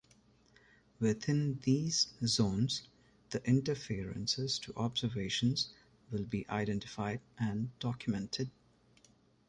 Within these zones, the interferences to observations will be identified and documented.